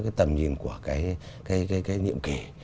cái tầm nhìn của cái nhiệm kể